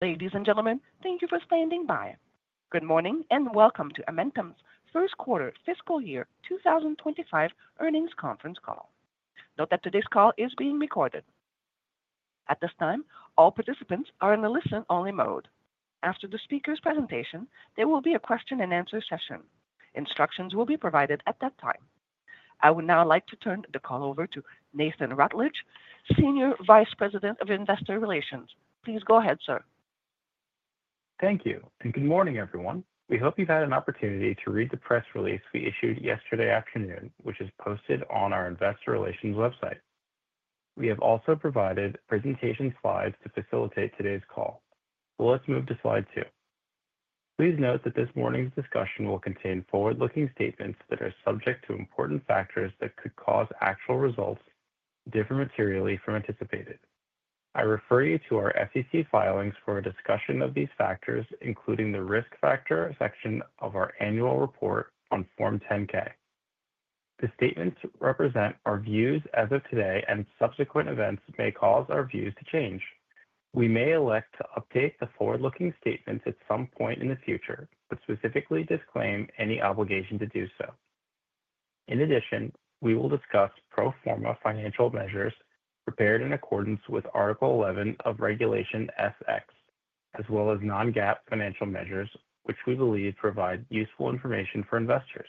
Ladies and gentlemen, thank you for standing by. Good morning and welcome to Amentum's first quarter fiscal year 2025 earnings conference call. Note that today's call is being recorded. At this time, all participants are in the listen-only mode. After the speaker's presentation, there will be a question-and-answer session. Instructions will be provided at that time. I would now like to turn the call over to Nathan Rutledge, Senior Vice President of Investor Relations. Please go ahead, sir. Thank you and good morning, everyone. We hope you've had an opportunity to read the press release we issued yesterday afternoon, which is posted on our Investor Relations website. We have also provided presentation slides to facilitate today's call. Let's move to slide two. Please note that this morning's discussion will contain forward looking statements that are subject to important factors that could cause actual results to differ materially from anticipated. I refer you to our SEC filings for a discussion of these factors, including the risk factor section of our annual report on Form 10-K. The statements represent our views as of today, and subsequent events may cause our views to change. We may elect to update the forward-looking statements at some point in the future, but specifically disclaim any obligation to do so. In addition, we will discuss pro forma financial measures prepared in accordance with Article 11 of Regulation S-X, as well as non-GAAP financial measures, which we believe provide useful information for investors.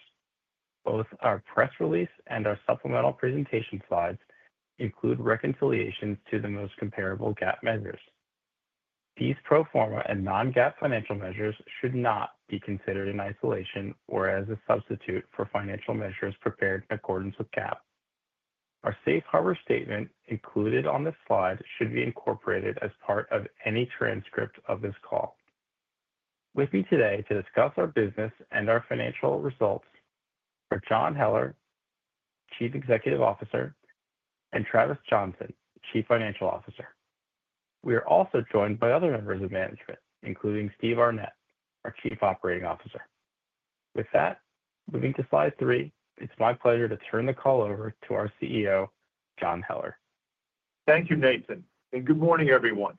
Both our press release and our supplemental presentation slides include reconciliations to the most comparable GAAP measures. These pro forma and non-GAAP financial measures should not be considered in isolation or as a substitute for financial measures prepared in accordance with GAAP. Our Safe Harbor statement included on this slide should be incorporated as part of any transcript of this call. With me today to discuss our business and our financial results are John Heller, Chief Executive Officer, and Travis Johnson, Chief Financial Officer. We are also joined by other members of management, including Steve Arnette, our Chief Operating Officer. With that, moving to slide three, it's my pleasure to turn the call over to our CEO, John Heller. Thank you, Nathan, and good morning, everyone.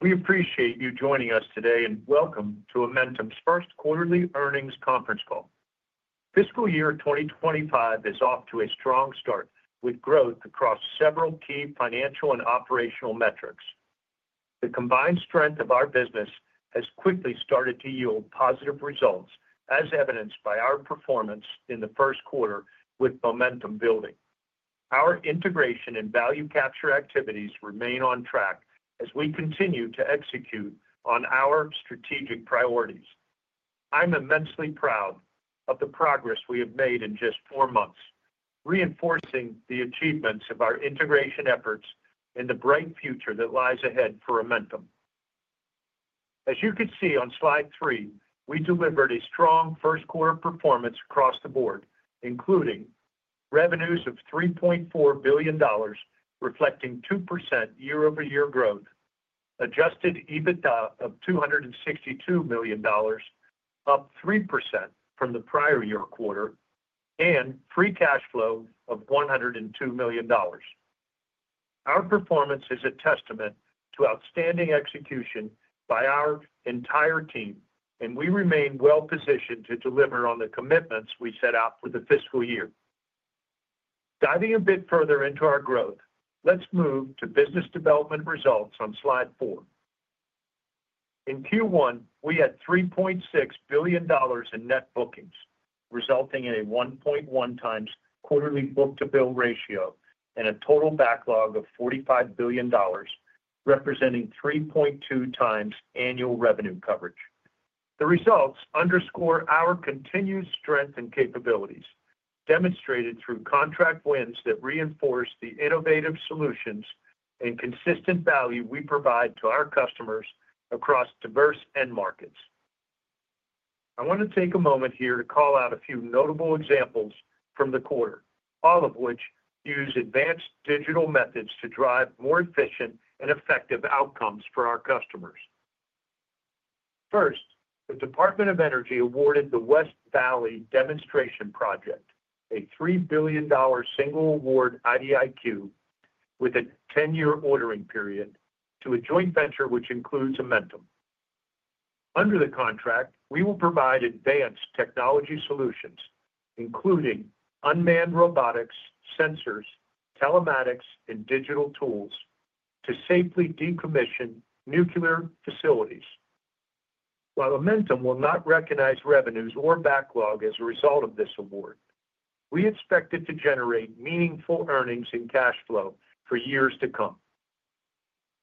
We appreciate you joining us today and welcome to Amentum's first quarterly earnings conference call. Fiscal year 2025 is off to a strong start with growth across several key financial and operational metrics. The combined strength of our business has quickly started to yield positive results, as evidenced by our performance in the first quarter with momentum building. Our integration and value capture activities remain on track as we continue to execute on our strategic priorities. I'm immensely proud of the progress we have made in just four months, reinforcing the achievements of our integration efforts in the bright future that lies ahead for Amentum. As you could see on slide three, we delivered a strong first quarter performance across the board, including revenues of $3.4 billion, reflecting 2% year over year growth, Adjusted EBITDA of $262 million, up 3% from the prior year quarter, and free cash flow of $102 million. Our performance is a testament to outstanding execution by our entire team, and we remain well-positioned to deliver on the commitments we set out for the fiscal year. Diving a bit further into our growth, let's move to business development results on slide four. In Q1, we had $3.6 billion in net bookings, resulting in a 1.1 times quarterly book-to-bill ratio and a total backlog of $45 billion, representing 3.2 times annual revenue coverage. The results underscore our continued strength and capabilities, demonstrated through contract wins that reinforce the innovative solutions and consistent value we provide to our customers across diverse end markets. I want to take a moment here to call out a few notable examples from the quarter, all of which use advanced digital methods to drive more efficient and effective outcomes for our customers. First, the Department of Energy awarded the West Valley Demonstration Project, a $3 billion single award IDIQ with a 10 year ordering period, to a joint venture which includes Amentum. Under the contract, we will provide advanced technology solutions, including unmanned robotics, sensors, telematics, and digital tools to safely decommission nuclear facilities. While Amentum will not recognize revenues or backlog as a result of this award, we expect it to generate meaningful earnings and cash flow for years to come.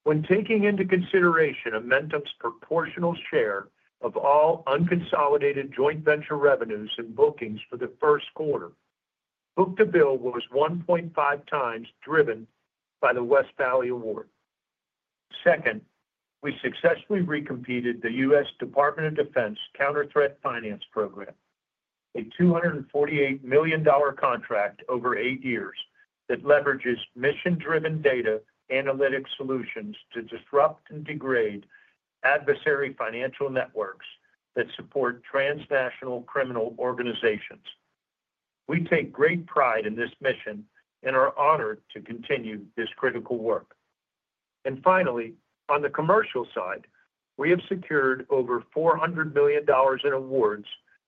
When taking into consideration Amentum's proportional share of all unconsolidated joint venture revenues and bookings for the first quarter, book-to-bill was 1.5 times driven by the West Valley Award. Second, we successfully recompeted the U.S. Department of Defense Counter-Threat Finance Program, a $248 million contract over eight years that leverages mission-driven data analytic solutions to disrupt and degrade adversary financial networks that support transnational criminal organizations. We take great pride in this mission and are honored to continue this critical work. And finally, on the commercial side, we have secured over $400 million in awards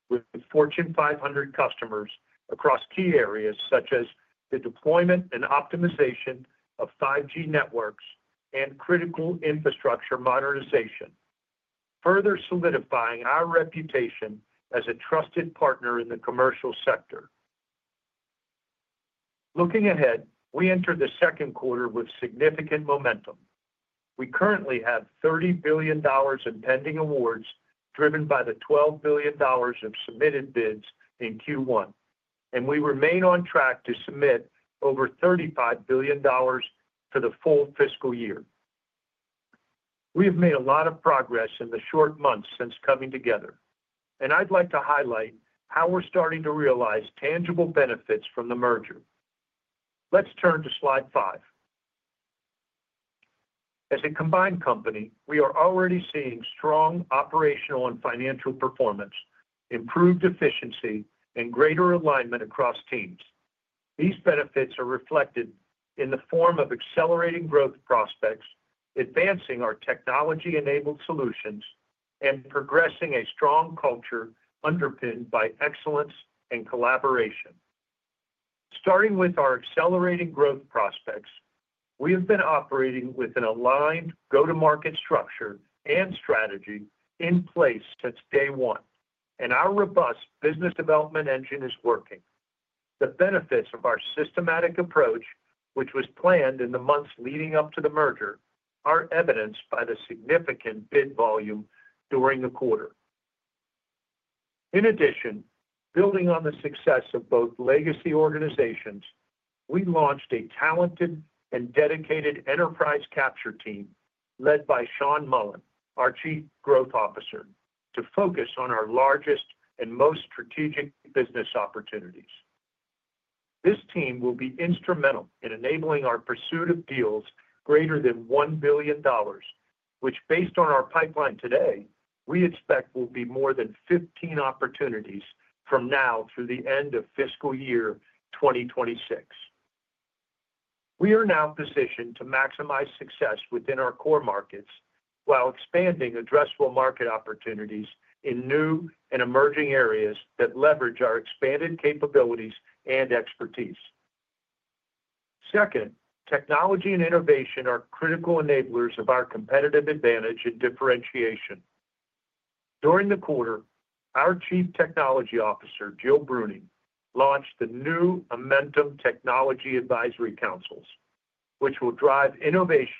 with Fortune 500 customers across key areas such as the deployment and optimization of 5G networks and critical infrastructure modernization, further solidifying our reputation as a trusted partner in the commercial sector. Looking ahead, we enter the second quarter with significant momentum. We currently have $30 billion in pending awards driven by the $12 billion of submitted bids in Q1, and we remain on track to submit over $35 billion for the full fiscal year. We have made a lot of progress in the short months since coming together, and I'd like to highlight how we're starting to realize tangible benefits from the merger. Let's turn to slide five. As a combined company, we are already seeing strong operational and financial performance, improved efficiency, and greater alignment across teams. These benefits are reflected in the form of accelerating growth prospects, advancing our technology enabled solutions, and progressing a strong culture underpinned by excellence and collaboration. Starting with our accelerating growth prospects, we have been operating with an aligned go to market structure and strategy in place since day one, and our robust business development engine is working. The benefits of our systematic approach, which was planned in the months leading up to the merger, are evidenced by the significant bid volume during the quarter. In addition, building on the success of both legacy organizations, we launched a talented and dedicated enterprise capture team led by Sean Mullen, our Chief Growth Officer, to focus on our largest and most strategic business opportunities. This team will be instrumental in enabling our pursuit of deals greater than $1 billion, which, based on our pipeline today, we expect will be more than 15 opportunities from now through the end of fiscal year 2026. We are now positioned to maximize success within our core markets while expanding addressable market opportunities in new and emerging areas that leverage our expanded capabilities and expertise. Second, technology and innovation are critical enablers of our competitive advantage and differentiation. During the quarter, our Chief Technology Officer, Jill Bruning, launched the new Amentum Technology Advisory Councils, which will drive innovation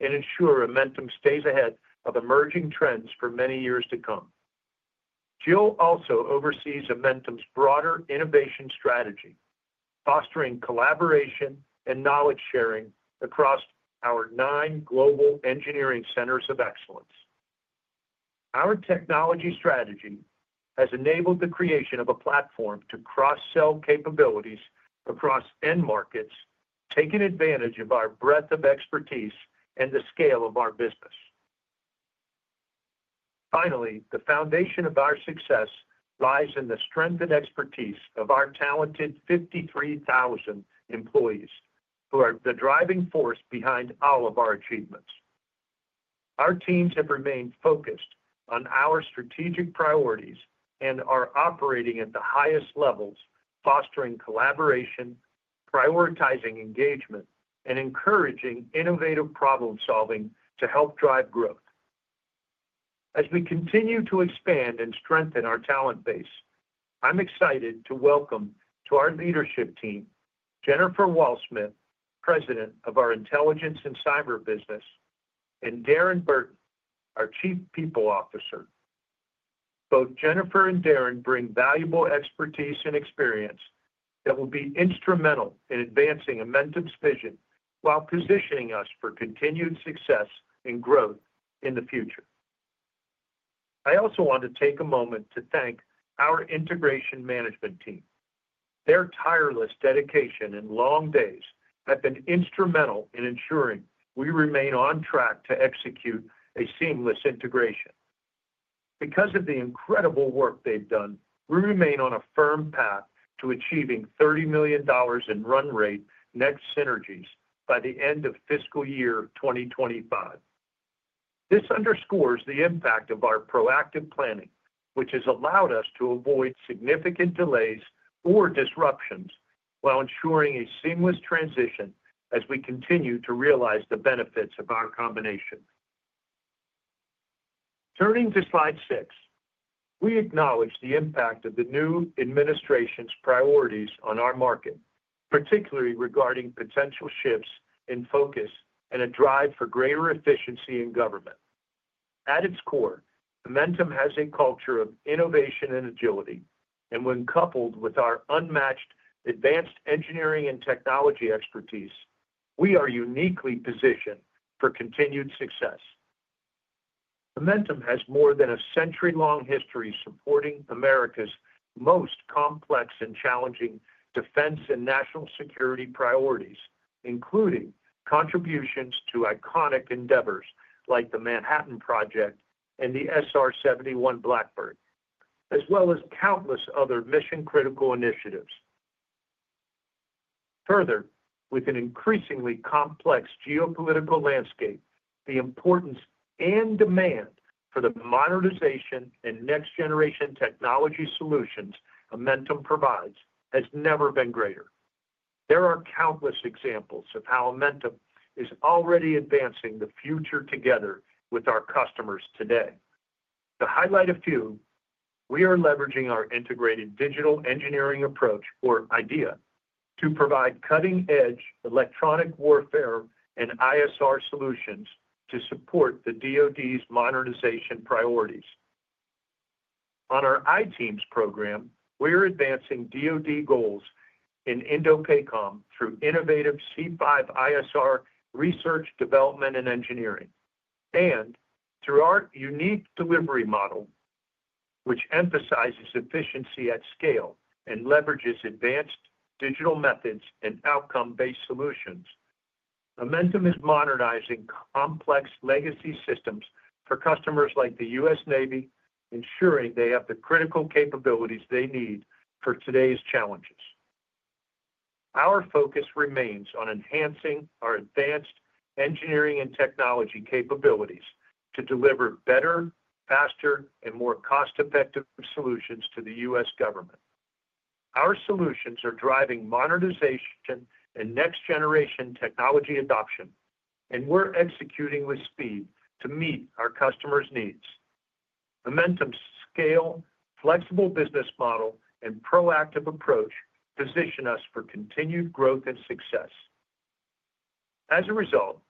and ensure Amentum stays ahead of emerging trends for many years to come. Jill also oversees Amentum's broader innovation strategy, fostering collaboration and knowledge sharing across our nine global engineering centers of excellence. Our technology strategy has enabled the creation of a platform to cross-sell capabilities across end markets, taking advantage of our breadth of expertise and the scale of our business. Finally, the foundation of our success lies in the strength and expertise of our talented 53,000 employees, who are the driving force behind all of our achievements. Our teams have remained focused on our strategic priorities and are operating at the highest levels, fostering collaboration, prioritizing engagement, and encouraging innovative problem-solving to help drive growth. As we continue to expand and strengthen our talent base, I'm excited to welcome to our leadership team, Jennifer Walsmith, President of our Intelligence and Cyber Business, and Darren Burton, our Chief People Officer. Both Jennifer and Darren bring valuable expertise and experience that will be instrumental in advancing Amentum's vision while positioning us for continued success and growth in the future. I also want to take a moment to thank our integration management team. Their tireless dedication and long days have been instrumental in ensuring we remain on track to execute a seamless integration. Because of the incredible work they've done, we remain on a firm path to achieving $30 million in run-rate net synergies by the end of fiscal year 2025. This underscores the impact of our proactive planning, which has allowed us to avoid significant delays or disruptions while ensuring a seamless transition as we continue to realize the benefits of our combination. Turning to slide six, we acknowledge the impact of the new administration's priorities on our market, particularly regarding potential shifts in focus and a drive for greater efficiency in government. At its core, Amentum has a culture of innovation and agility, and when coupled with our unmatched advanced engineering and technology expertise, we are uniquely positioned for continued success. Amentum has more than a century-long history supporting America's most complex and challenging defense and national security priorities, including contributions to iconic endeavors like the Manhattan Project and the SR-71 Blackbird, as well as countless other mission critical initiatives. Further, with an increasingly complex geopolitical landscape, the importance and demand for the modernization and next generation technology solutions Amentum provides has never been greater. There are countless examples of how Amentum is already advancing the future together with our customers today. To highlight a few, we are leveraging our Integrated Digital Engineering Approach, or IDEA, to provide cutting-edge electronic warfare and ISR solutions to support the DOD's modernization priorities. On our ITEAMS program, we are advancing DOD goals in IndoPACOM through innovative C5ISR research, development, and engineering, and through our unique delivery model, which emphasizes efficiency at scale and leverages advanced digital methods and outcome based solutions. Amentum is modernizing complex legacy systems for customers like the U.S. Navy, ensuring they have the critical capabilities they need for today's challenges. Our focus remains on enhancing our advanced engineering and technology capabilities to deliver better, faster, and more cost effective solutions to the U.S. government. Our solutions are driving modernization and next generation technology adoption, and we're executing with speed to meet our customers' needs. Amentum's scale, flexible business model, and proactive approach position us for continued growth and success. As a result,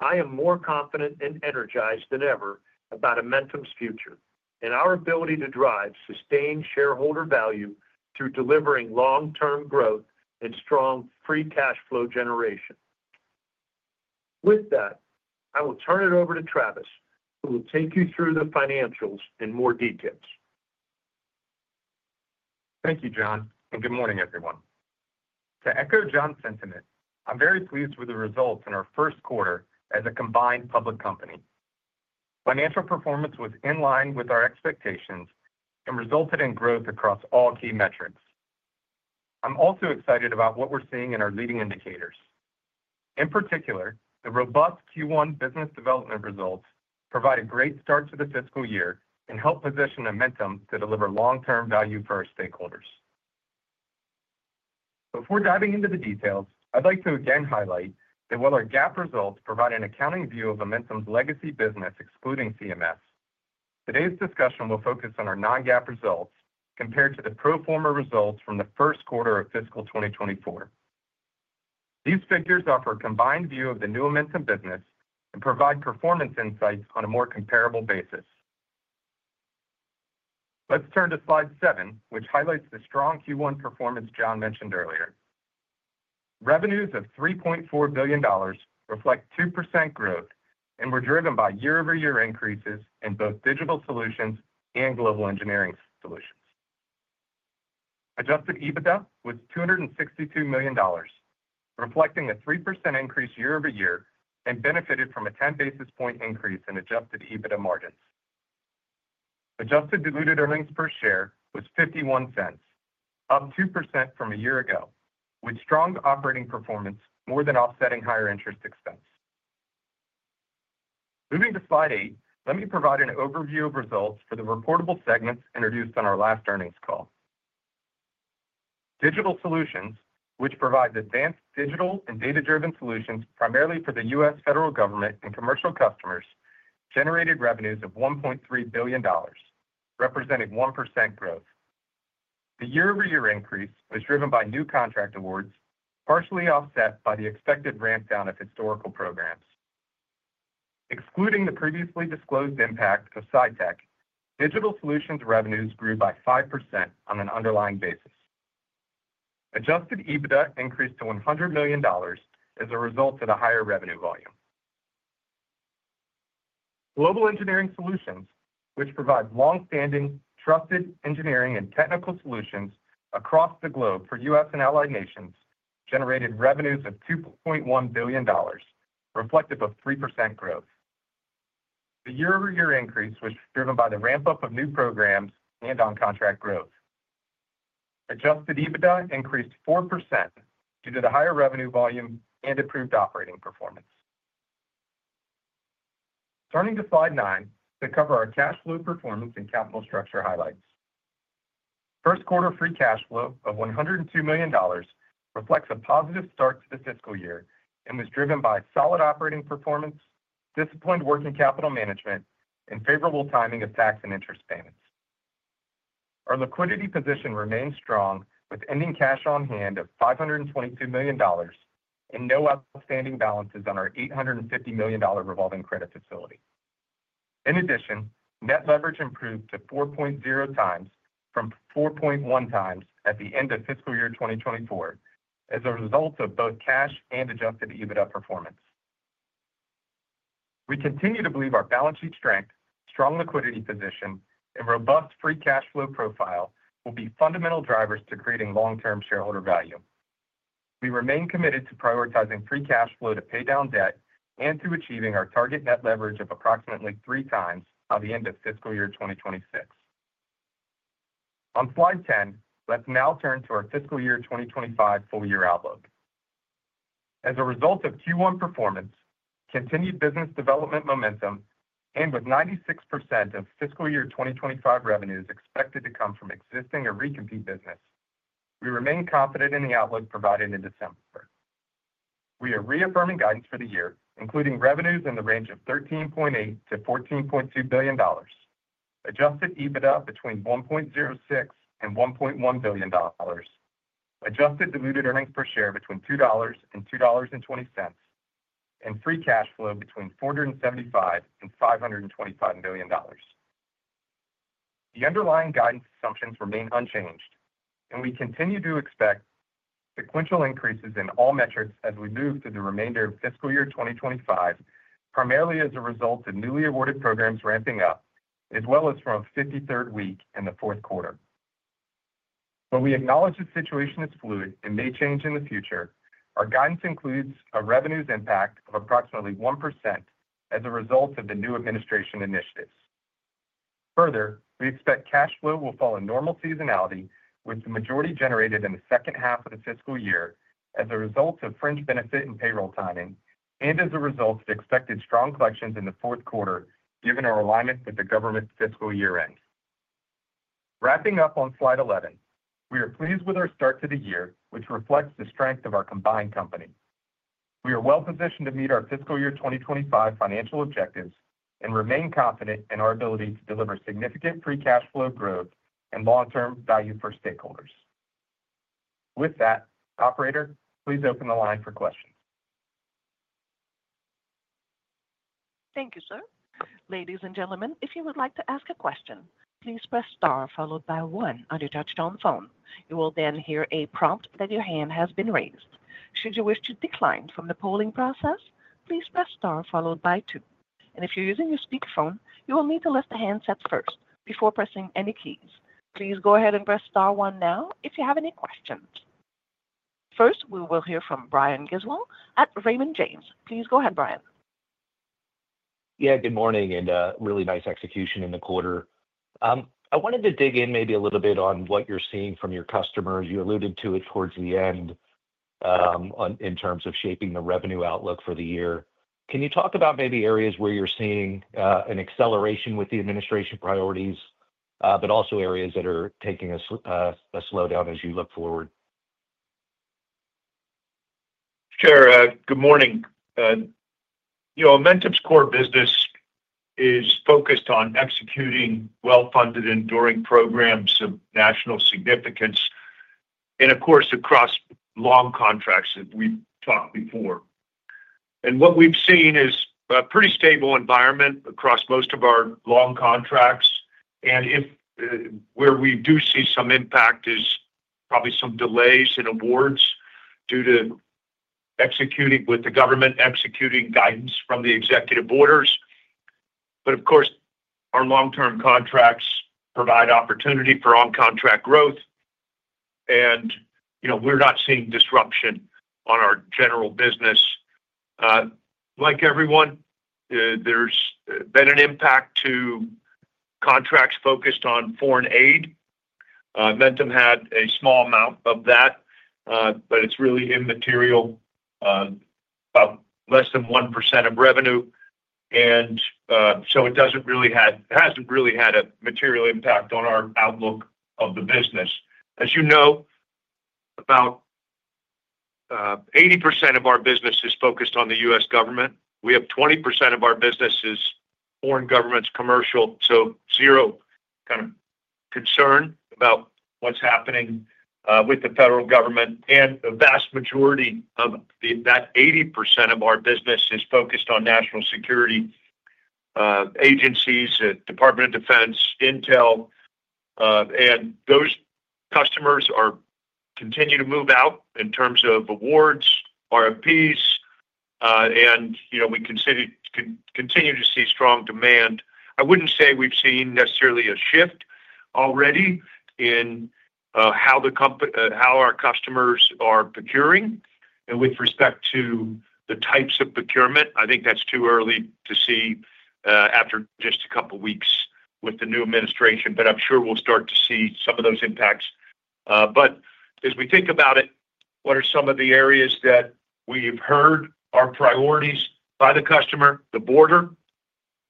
I am more confident and energized than ever about Amentum's future and our ability to drive sustained shareholder value through delivering long term growth and strong free cash flow generation. With that, I will turn it over to Travis, who will take you through the financials in more detail. Thank you, John, and good morning, everyone. To echo John's sentiment, I'm very pleased with the results in our first quarter as a combined public company. Financial performance was in line with our expectations and resulted in growth across all key metrics. I'm also excited about what we're seeing in our leading indicators. In particular, the robust Q1 business development results provide a great start to the fiscal year and help position Amentum to deliver long term value for our stakeholders. Before diving into the details, I'd like to again highlight that while our GAAP results provide an accounting view of Amentum's legacy business excluding CMS, today's discussion will focus on our non-GAAP results compared to the pro forma results from the first quarter of fiscal 2024. These figures offer a combined view of the new Amentum business and provide performance insights on a more comparable basis. Let's turn to slide seven, which highlights the strong Q1 performance John mentioned earlier. Revenues of $3.4 billion reflect 2% growth and were driven by year over year increases in both Digital Solutions and Global Engineering Solutions. Adjusted EBITDA was $262 million, reflecting a 3% increase year over year and benefited from a 10 basis point increase in adjusted EBITDA margins. Adjusted diluted earnings per share was $0.51, up 2% from a year ago, with strong operating performance more than offsetting higher interest expense. Moving to slide eight, let me provide an overview of results for the reportable segments introduced on our last earnings call. Digital solutions, which provide advanced digital and data-driven solutions primarily for the U.S. federal government and commercial customers, generated revenues of $1.3 billion, representing 1% growth. The year over year increase was driven by new contract awards, partially offset by the expected ramp down of historical programs. Excluding the previously disclosed impact of SITEC, digital solutions revenues grew by 5% on an underlying basis. Adjusted EBITDA increased to $100 million as a result of the higher revenue volume. Global engineering solutions, which provide longstanding, trusted engineering and technical solutions across the globe for U.S. and allied nations, generated revenues of $2.1 billion, reflective of 3% growth. The year over year increase was driven by the ramp up of new programs and on contract growth. Adjusted EBITDA increased 4% due to the higher revenue volume and improved operating performance. Turning to slide nine to cover our cash flow performance and capital structure highlights. First quarter free cash flow of $102 million reflects a positive start to the fiscal year and was driven by solid operating performance, disciplined working capital management, and favorable timing of tax and interest payments. Our liquidity position remains strong, with ending cash on hand of $522 million and no outstanding balances on our $850 million revolving credit facility. In addition, net leverage improved to 4.0 times from 4.1 times at the end of fiscal year 2024 as a result of both cash and adjusted EBITDA performance. We continue to believe our balance sheet strength, strong liquidity position, and robust free cash flow profile will be fundamental drivers to creating long term shareholder value. We remain committed to prioritizing free cash flow to pay down debt and to achieving our target net leverage of approximately three times by the end of fiscal year 2026. On slide 10, let's now turn to our fiscal year 2025 full year outlook. As a result of Q1 performance, continued business development momentum, and with 96% of fiscal year 2025 revenues expected to come from existing or recompete business, we remain confident in the outlook provided in December. We are reaffirming guidance for the year, including revenues in the range of $13.8 billion-$14.2 billion, Adjusted EBITDA between $1.06-$1.1 billion, adjusted diluted earnings per share between $2-$2.20, and free cash flow between $475 million-$525 million. The underlying guidance assumptions remain unchanged, and we continue to expect sequential increases in all metrics as we move through the remainder of fiscal year 2025, primarily as a result of newly awarded programs ramping up, as well as from a 53rd week in the fourth quarter. While we acknowledge the situation is fluid and may change in the future, our guidance includes a revenues impact of approximately 1% as a result of the new administration initiatives. Further, we expect cash flow will fall in normal seasonality, with the majority generated in the second half of the fiscal year as a result of fringe benefit and payroll timing, and as a result of expected strong collections in the fourth quarter, given our alignment with the government fiscal year end. Wrapping up on slide 11, we are pleased with our start to the year, which reflects the strength of our combined company. We are well positioned to meet our fiscal year 2025 financial objectives and remain confident in our ability to deliver significant free cash flow growth and long-term value for stakeholders. With that, Operator, please open the line for questions. Thank you, sir. Ladies and gentlemen, if you would like to ask a question, please press star followed by one on your touch-tone phone. You will then hear a prompt that your hand has been raised. Should you wish to decline from the polling process, please press star followed by two. And if you're using your speakerphone, you will need to lift the handset up first before pressing any keys. Please go ahead and press star one now if you have any questions. First, we will hear from Brian Gesuale at Raymond James. Please go ahead, Brian. Yeah, good morning and a really nice execution in the quarter. I wanted to dig in maybe a little bit on what you're seeing from your customers. You alluded to it towards the end in terms of shaping the revenue outlook for the year. Can you talk about maybe areas where you're seeing an acceleration with the administration priorities, but also areas that are taking a slowdown as you look forward? Sure. Good morning. Amentum's core business is focused on executing well-funded, enduring programs of national significance in areas across long contracts that we've talked about before. And what we've seen is a pretty stable environment across most of our long contracts. Where we do see some impact is probably some delays in awards due to the government executing guidance from the executive orders. Of course, our long-term contracts provide opportunity for on-contract growth, and we're not seeing disruption on our general business. Like everyone, there's been an impact to contracts focused on foreign aid. Amentum had a small amount of that, but it's really immaterial, about less than 1% of revenue. So it hasn't really had a material impact on our outlook of the business. As you know, about 80% of our business is focused on the U.S. government. We have 20% of our business foreign governments, commercial, so zero kind of concern about what's happening with the federal government. The vast majority of that 80% of our business is focused on national security agencies, Department of Defense, intel. And those customers continue to move out in terms of awards, RFPs, and we continue to see strong demand. I wouldn't say we've seen necessarily a shift already in how our customers are procuring. And with respect to the types of procurement, I think that's too early to see after just a couple of weeks with the new administration, but I'm sure we'll start to see some of those impacts. But as we think about it, what are some of the areas that we've heard are priorities by the customer? The border,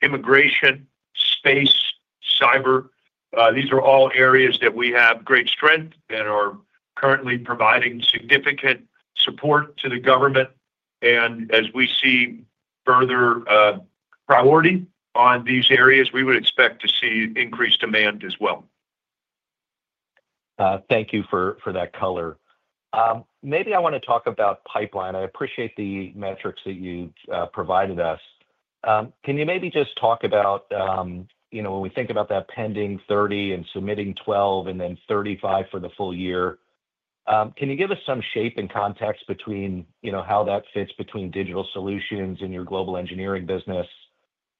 immigration, space, cyber. These are all areas that we have great strength and are currently providing significant support to the government. And as we see further priority on these areas, we would expect to see increased demand as well. Thank you for that color. Maybe I want to talk about pipeline. I appreciate the metrics that you provided us. Can you maybe just talk about when we think about that pending 30 and submitting 12 and then 35 for the full year, can you give us some shape and context between how that fits between digital solutions and your global engineering business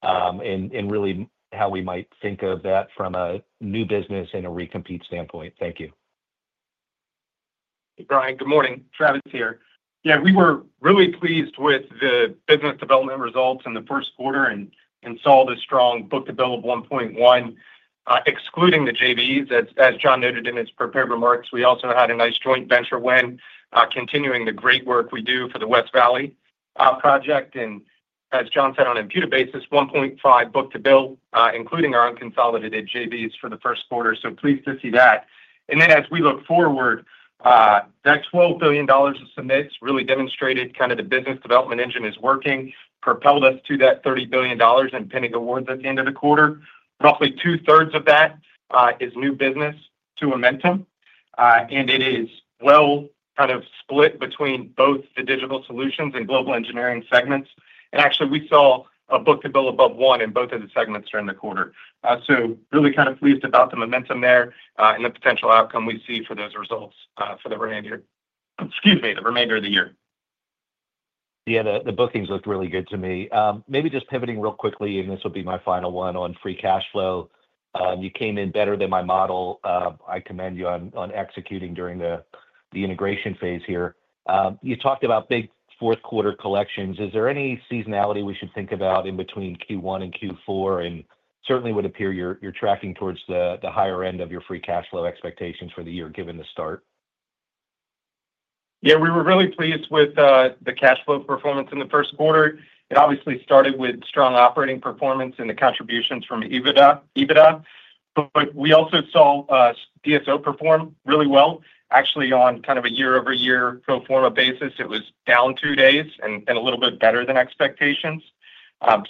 and really how we might think of that from a new business and a recompete standpoint? Thank you. Hey, Brian. Good morning. Travis here. Yeah, we were really pleased with the business development results in the first quarter and saw the strong book to bill of 1.1, excluding the JVs. As John noted in his prepared remarks, we also had a nice joint venture win, continuing the great work we do for the West Valley project. And as John said, on a consolidated basis, 1.5 book to bill, including our unconsolidated JVs for the first quarter. So pleased to see that. And then as we look forward, that $12 billion of submittals really demonstrated kind of the business development engine is working, propelled us to that $30 billion and winning awards at the end of the quarter. Roughly two thirds of that is new business to Amentum, and it is well kind of split between both the digital solutions and global engineering segments. And actually, we saw a book to bill above one in both of the segments during the quarter. So really kind of pleased about the momentum there and the potential outcome we see for those results for the remainder of the year. Yeah, the bookings looked really good to me. Maybe just pivoting real quickly, and this will be my final one on free cash flow. You came in better than my model. I commend you on executing during the integration phase here. You talked about big fourth quarter collections. Is there any seasonality we should think about in between Q1 and Q4? And certainly, it would appear you're tracking towards the higher end of your free cash flow expectations for the year given the start. Yeah, we were really pleased with the cash flow performance in the first quarter. It obviously started with strong operating performance and the contributions from EBITDA. But we also saw DSO perform really well. Actually, on kind of a year over year pro forma basis, it was down two days and a little bit better than expectations.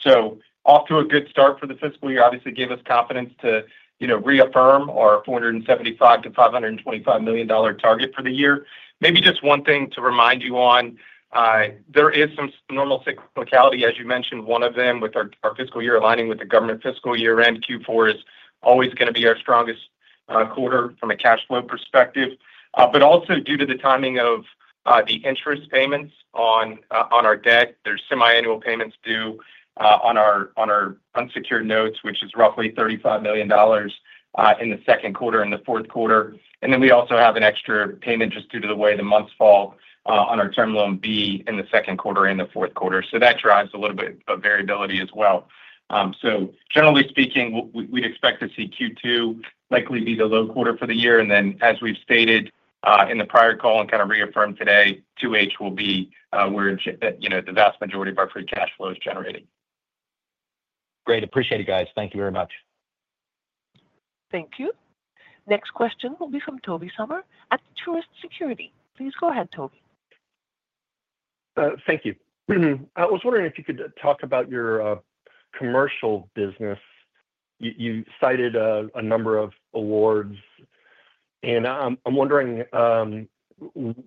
So off to a good start for the fiscal year obviously gave us confidence to reaffirm our $475 million-$525 million target for the year. Maybe just one thing to remind you on. There is some normal cyclicality, as you mentioned, one of them with our fiscal year aligning with the government fiscal year end. Q4 is always going to be our strongest quarter from a cash flow perspective. But also due to the timing of the interest payments on our debt, there's semi-annual payments due on our unsecured notes, which is roughly $35 million in the second quarter and the fourth quarter. And then we also have an extra payment just due to the way the months fall on our term loan B in the second quarter and the fourth quarter. So that drives a little bit of variability as well. So generally speaking, we'd expect to see Q2 likely be the low quarter for the year. Then as we've stated in the prior call and kind of reaffirmed today, 2H will be where the vast majority of our free cash flow is generating. Great. Appreciate it, guys. Thank you very much. Thank you. Next question will be from Tobey Sommer at Truist Securities. Please go ahead, Toby. Thank you. I was wondering if you could talk about your commercial business. You cited a number of awards, and I'm wondering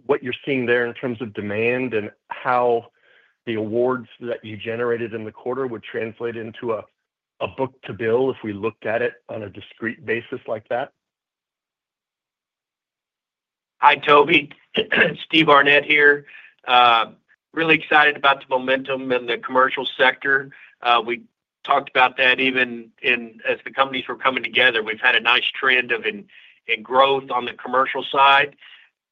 what you're seeing there in terms of demand and how the awards that you generated in the quarter would translate into a book-to-bill if we looked at it on a discrete basis like that. Hi, Toby. Steve Arnette here. Really excited about the momentum in the commercial sector. We talked about that even as the companies were coming together. We've had a nice trend of growth on the commercial side.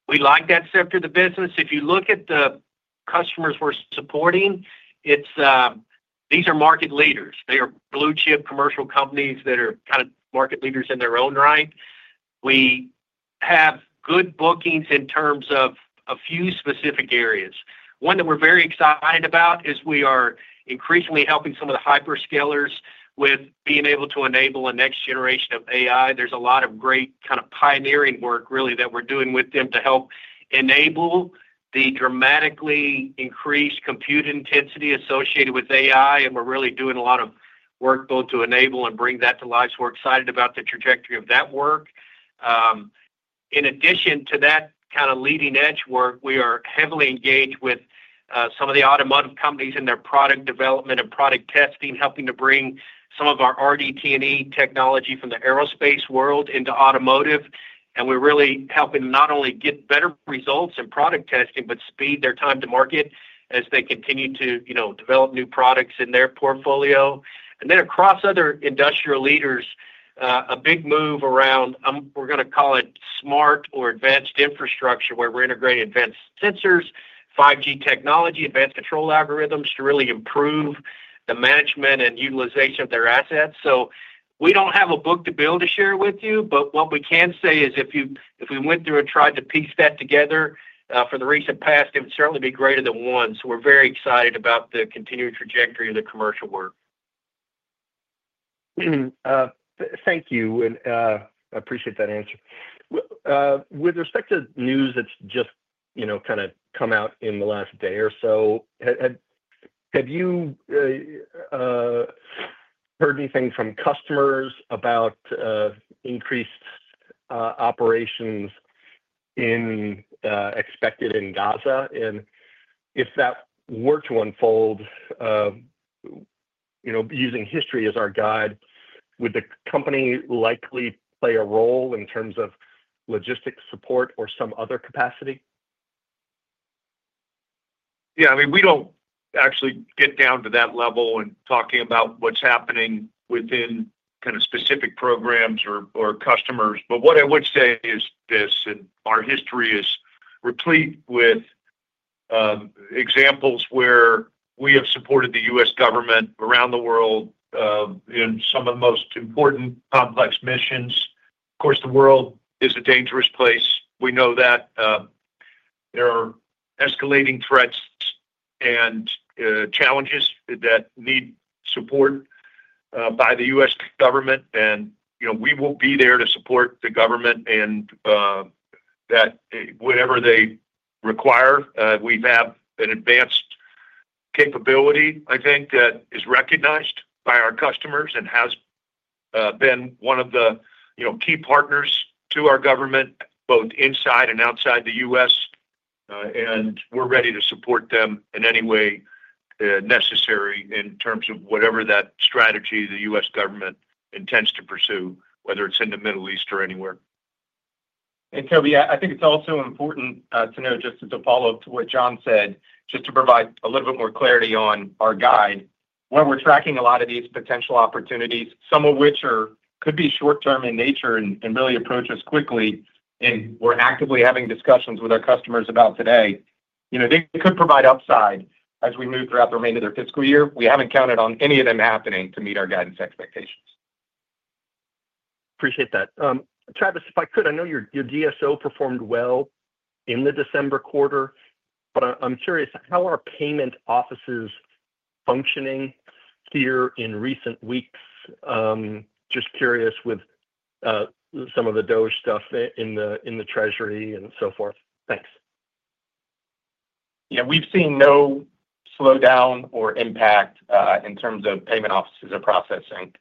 We like that sector of the business. If you look at the customers we're supporting, these are market leaders. They are blue-chip commercial companies that are kind of market leaders in their own right. We have good bookings in terms of a few specific areas. One that we're very excited about is we are increasingly helping some of the hyperscalers with being able to enable a next generation of AI. There's a lot of great kind of pioneering work really that we're doing with them to help enable the dramatically increased compute intensity associated with AI. And we're really doing a lot of work both to enable and bring that to life. So we're excited about the trajectory of that work. In addition to that kind of leading-edge work, we are heavily engaged with some of the automotive companies in their product development and product testing, helping to bring some of our RDT&E technology from the aerospace world into automotive. And we're really helping not only get better results in product testing, but speed their time to market as they continue to develop new products in their portfolio. And then across other industrial leaders, a big move around, we're going to call it smart or advanced infrastructure, where we're integrating advanced sensors, 5G technology, advanced control algorithms to really improve the management and utilization of their assets. So we don't have a book-to-bill to share with you, but what we can say is if we went through and tried to piece that together for the recent past, it would certainly be greater than one. So we're very excited about the continued trajectory of the commercial work. Thank you. And I appreciate that answer. With respect to news that's just kind of come out in the last day or so, have you heard anything from customers about increased operations expected in Gaza? And if that were to unfold, using history as our guide, would the company likely play a role in terms of logistics support or some other capacity? Yeah. I mean, we don't actually get down to that level in talking about what's happening within kind of specific programs or customers. But what I would say is this, and our history is replete with examples where we have supported the U.S. government around the world in some of the most important complex missions. Of course, the world is a dangerous place. We know that there are escalating threats and challenges that need support by the U.S. government. And we will be there to support the government in whatever they require. We have an advanced capability, I think, that is recognized by our customers and has been one of the key partners to our government, both inside and outside the U.S. And we're ready to support them in any way necessary in terms of whatever that strategy the U.S. government intends to pursue, whether it's in the Middle East or anywhere. And Tobey, I think it's also important to know, just as a follow-up to what John said, just to provide a little bit more clarity on our guide. When we're tracking a lot of these potential opportunities, some of which could be short-term in nature and really approach us quickly, and we're actively having discussions with our customers about today, they could provide upside as we move throughout the remainder of their fiscal year. We haven't counted on any of them happening to meet our guidance expectations. Appreciate that. Travis, if I could, I know your DSO performed well in the December quarter, but I'm curious how payment offices are functioning here in recent weeks. Just curious with some of the DOGE stuff in the Treasury and so forth. Thanks. Yeah, we've seen no slowdown or impact in terms of payment offices or processing,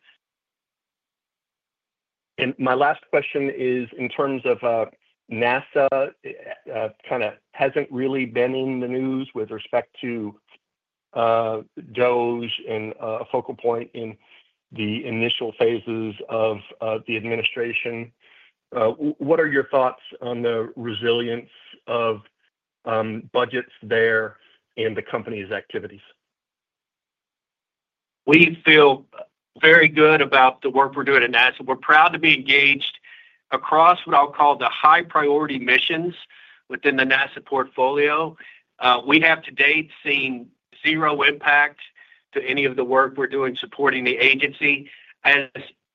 and my last question is in terms of NASA, kind of hasn't really been in the news with respect to DOGE and a focal point in the initial phases of the administration. What are your thoughts on the resilience of budgets there and the company's activities? We feel very good about the work we're doing at NASA. We're proud to be engaged across what I'll call the high-priority missions within the NASA portfolio. We have to date seen zero impact to any of the work we're doing supporting the agency. As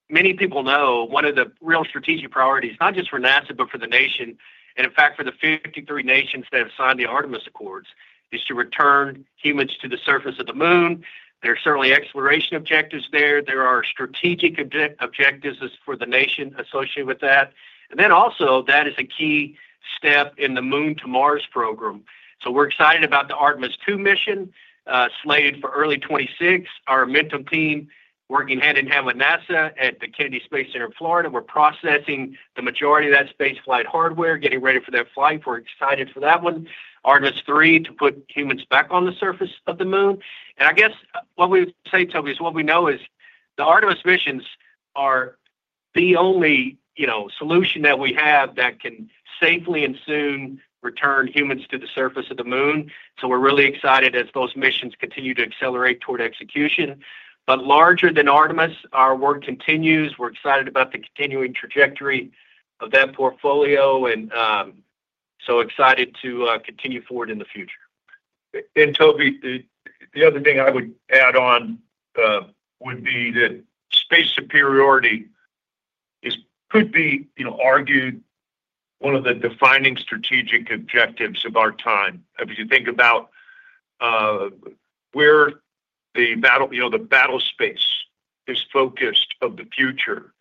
many people know, one of the real strategic priorities, not just for NASA, but for the nation, and in fact, for the 53 nations that have signed the Artemis Accords, is to return humans to the surface of the Moon. There are certainly exploration objectives there. There are strategic objectives for the nation associated with that. And then also, that is a key step in the Moon to Mars program. So we're excited about the Artemis II mission slated for early 2026. Our Amentum team working hand in hand with NASA at the Kennedy Space Center in Florida. We're processing the majority of that space flight hardware, getting ready for that flight. We're excited for that one. Artemis III to put humans back on the surface of the Moon, and I guess what we would say, Tobey, is what we know is the Artemis missions are the only solution that we have that can safely and soon return humans to the surface of the Moon, so we're really excited as those missions continue to accelerate toward execution, but larger than Artemis, our work continues. We're excited about the continuing trajectory of that portfolio and so excited to continue forward in the future. And Tobey, the other thing I would add on would be that space superiority could be argued one of the defining strategic objectives of our time. If you think about where the battle space is focused of the future,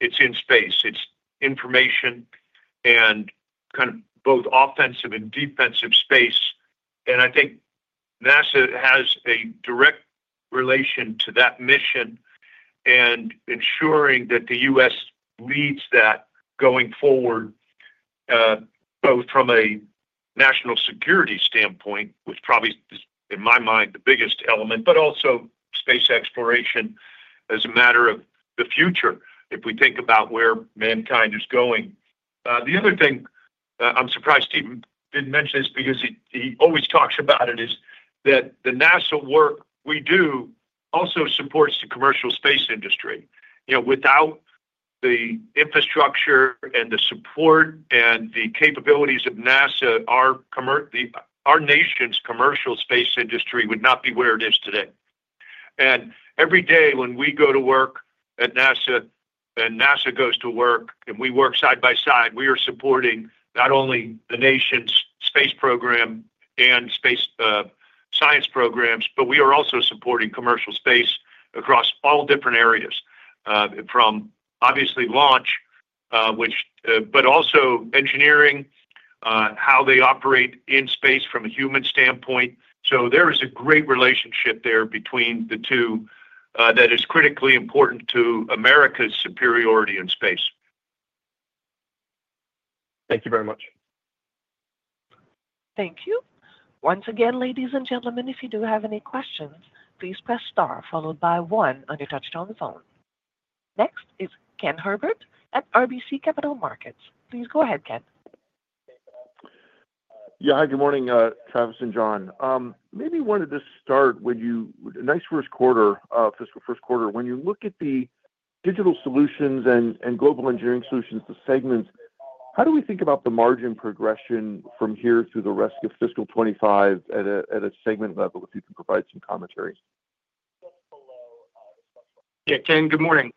it's in space. It's information and kind of both offensive and defensive space. And I think NASA has a direct relation to that mission and ensuring that the U.S. leads that going forward, both from a national security standpoint, which probably is, in my mind, the biggest element, but also space exploration as a matter of the future, if we think about where mankind is going. The other thing I'm surprised Steve didn't mention this because he always talks about it, is that the NASA work we do also supports the commercial space industry. Without the infrastructure and the support and the capabilities of NASA, our nation's commercial space industry would not be where it is today. Every day when we go to work at NASA and NASA goes to work, and we work side by side, we are supporting not only the nation's space program and space science programs, but we are also supporting commercial space across all different areas, from obviously launch, but also engineering, how they operate in space from a human standpoint. There is a great relationship there between the two that is critically important to America's superiority in space. Thank you very much. Thank you. Once again, ladies and gentlemen, if you do have any questions, please press star followed by one on your touch-tone phone. Next is Ken Herbert at RBC Capital Markets. please go ahead, Ken. Yeah. Hi, good morning, Travis and John. I wanted to start with a nice first quarter, fiscal first quarter. When you look at the digital solutions and global engineering solutions, the segments, how do we think about the margin progression from here through the rest of fiscal 2025 at a segment level, If you can provide some commentary? Yeah, Ken, good morning.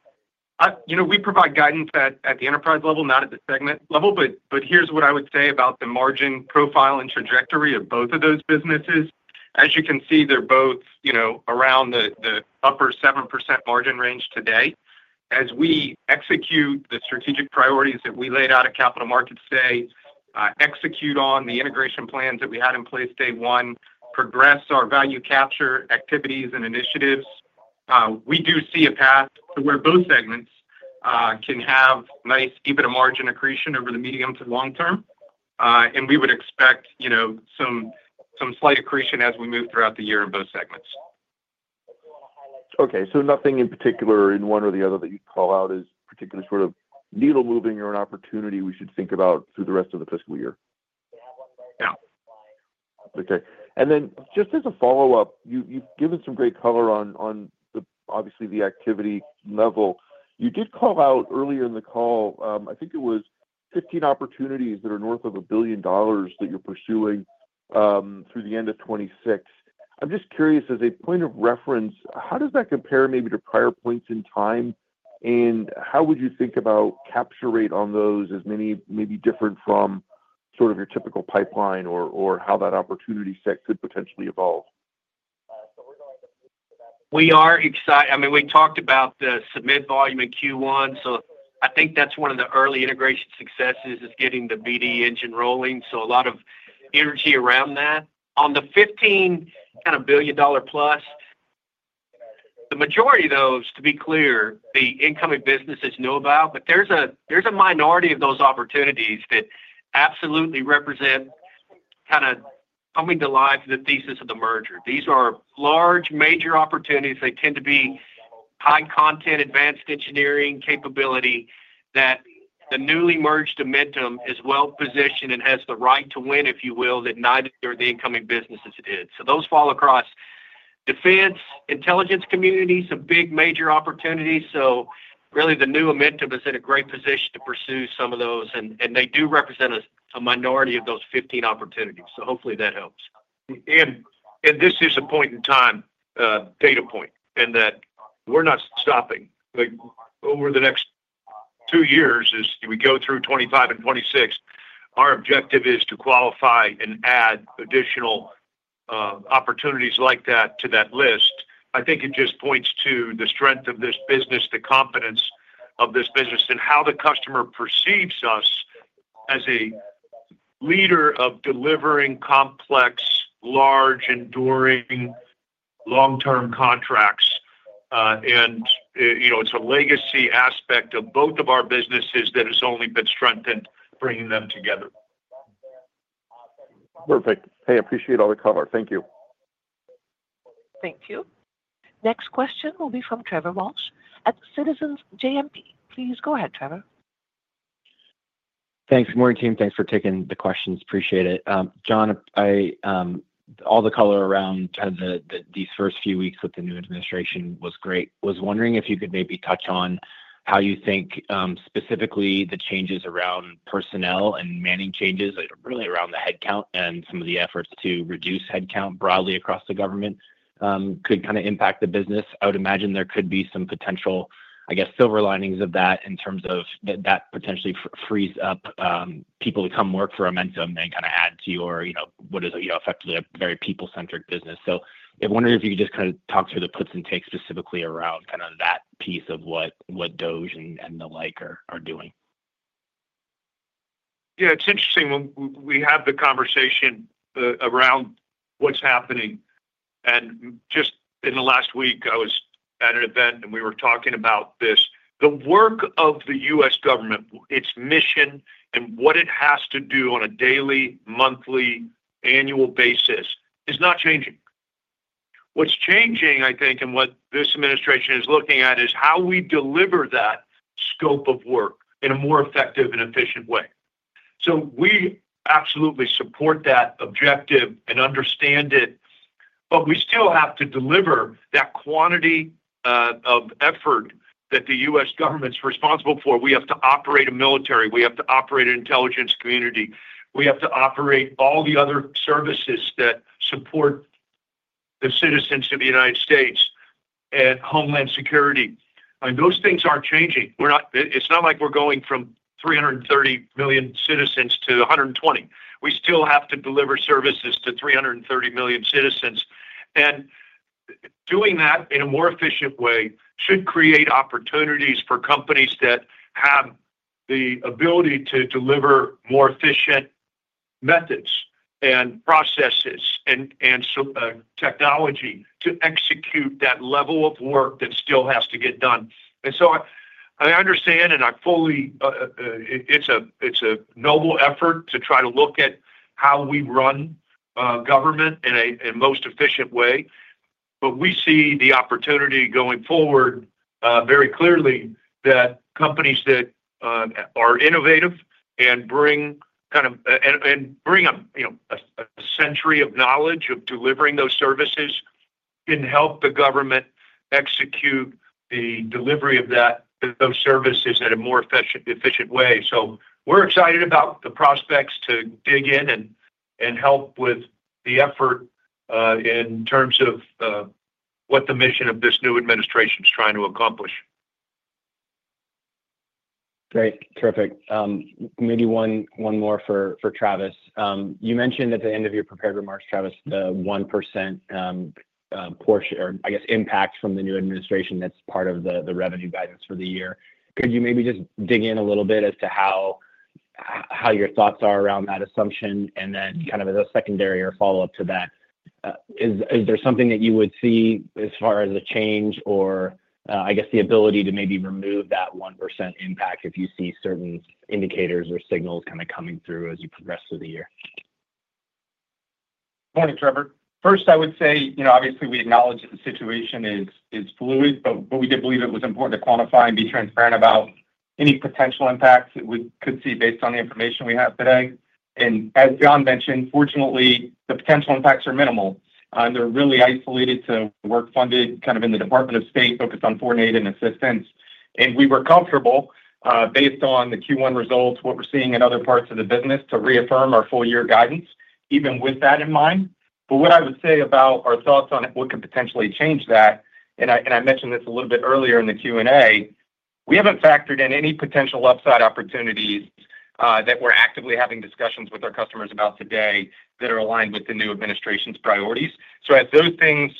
We provide guidance at the enterprise level, not at the segment level, but here's what I would say about the margin profile and trajectory of both of those businesses. As you can see, they're both around the upper 7% margin range today. As we execute the strategic priorities that we laid out at Capital Markets today, execute on the integration plans that we had in place day one, progress our value capture activities and initiatives, we do see a path to where both segments can have nice, even a margin accretion over the medium to long term. And we would expect some slight accretion as we move throughout the year in both segments. Okay. So nothing in particular in one or the other that you'd call out as particularly sort of needle-moving or an opportunity we should think about through the rest of the fiscal year? Yeah. Okay. And then just as a follow-up, you've given some great color on obviously the activity level. You did call out earlier in the call, I think it was 15 opportunities that are north of $1 billion that you're pursuing through the end of 2026. I'm just curious, as a point of reference, how does that compare maybe to prior points in time? And how would you think about capture rate on those as many maybe different from sort of your typical pipeline or how that opportunity set could potentially evolve? We are excited. I mean, we talked about the submit volume in Q1, so I think that's one of the early integration successes is getting the BD engine rolling, so a lot of energy around that. On the 15 kind of billion-dollar-plus, the majority of those, to be clear, the incoming businesses know about, but there's a minority of those opportunities that absolutely represent kind of coming to life the thesis of the merger. These are large, major opportunities. They tend to be high content advanced engineering capability that the newly merged Amentum is well positioned and has the right to win, if you will, that neither the incoming businesses did, so those fall across defense, intelligence communities, some big major opportunities, so really, the new Amentum is in a great position to pursue some of those, and they do represent a minority of those 15 opportunities, so hopefully that helps. And this is a point in time, data point, and that we're not stopping. Over the next two years, as we go through 2025 and 2026, our objective is to qualify and add additional opportunities like that to that list. I think it just points to the strength of this business, the competence of this business, and how the customer perceives us as a leader of delivering complex, large, enduring, long-term contracts. And it's a legacy aspect of both of our businesses that has only been strengthened bringing them together. Perfect. Hey, I appreciate all the color. Thank you. Thank you. Next question will be from Trevor Walsh at Citizens JMP. Please go ahead, Trevor. Thanks. Good morning, team. Thanks for taking the questions. Appreciate it. John, all the color around these first few weeks with the new administration was great. was wondering if you could maybe touch on how you think specifically the changes around personnel and manning changes, really around the headcount and some of the efforts to reduce headcount broadly across the government could kind of impact the business. I would imagine there could be some potential, I guess, silver linings of that in terms of that potentially frees up people to come work for Amentum and kind of add to your what is effectively a very people-centric business. So I wondered if you could just kind of talk through the puts and takes specifically around kind of that piece of what DOGE and the like are doing. Yeah. It's interesting. We have the conversation around what's happening, and just in the last week, I was at an event, and we were talking about this. The work of the U.S. government, its mission, and what it has to do on a daily, monthly, annual basis is not changing. What's changing, I think, and what this administration is looking at is how we deliver that scope of work in a more effective and efficient way. So we absolutely support that objective and understand it, but we still have to deliver that quantity of effort that the U.S. government's responsible for. We have to operate a military. We have to operate an intelligence community. We have to operate all the other services that support the citizens of the United States and homeland security. I mean, those things aren't changing. It's not like we're going from 330 million citizens to 120. We still have to deliver services to 330 million citizens. And doing that in a more efficient way should create opportunities for companies that have the ability to deliver more efficient methods and processes and technology to execute that level of work that still has to get done. And so I understand, and I fully it's a noble effort to try to look at how we run government in a most efficient way. But we see the opportunity going forward very clearly that companies that are innovative and bring kind of a century of knowledge of delivering those services can help the government execute the delivery of those services in a more efficient way. So we're excited about the prospects to dig in and help with the effort in terms of what the mission of this new administration is trying to accomplish. Great. Terrific. Maybe one more for Travis.You mentioned at the end of your prepared remarks, Travis, the 1% portion, or I guess impact from the new administration that's part of the revenue guidance for the year. Could you maybe just dig in a little bit as to how your thoughts are around that assumption? And then kind of as a secondary or follow-up to that, is there something that you would see as far as a change or, I guess, the ability to maybe remove that 1% impact if you see certain indicators or signals kind of coming through as you progress through the year? Morning, Trevor. First, I would say, obviously, we acknowledge that the situation is fluid, but we did believe it was important to quantify and be transparent about any potential impacts that we could see based on the information we have today, and as John mentioned, fortunately, the potential impacts are minimal. They're really isolated to work funded kind of in the Department of State focused on foreign aid and assistance. And we were comfortable, based on the Q1 results, what we're seeing in other parts of the business, to reaffirm our full-year guidance, even with that in mind. But what I would say about our thoughts on what could potentially change that, and I mentioned this a little bit earlier in the Q&A, we haven't factored in any potential upside opportunities that we're actively having discussions with our customers about today that are aligned with the new administration's priorities. So as those things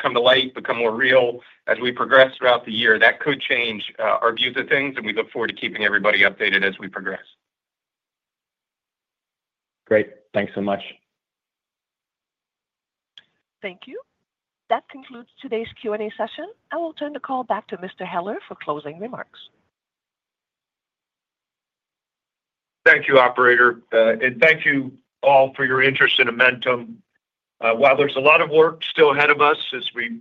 come to light, become more real as we progress throughout the year, that could change our views of things, and we look forward to keeping everybody updated as we progress. Great. Thanks so much. Thank you. That concludes today's Q&A session.I will turn the call back to Mr. Heller for closing remarks. Thank you, Operator. And thank you all for your interest in Amentum. While there's a lot of work still ahead of us as we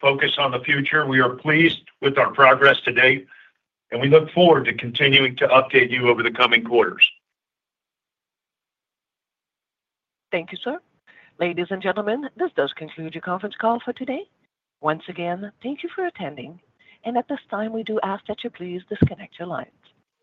focus on the future, we are pleased with our progress today, and we look forward to continuing to update you over the coming quarters. Thank you, sir. Ladies and gentlemen, this does conclude your conference call for today. Once again, thank you for attending. And at this time, we do ask that you please disconnect your lines.